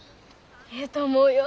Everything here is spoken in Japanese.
ええと思うよ。